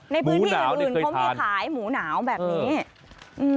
ในพื้นที่อื่นผมจะขายหมูหนาวแบบนี้